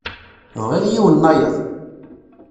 Bɣiɣ yiwen-nnayeḍ.